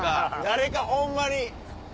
誰かホンマに。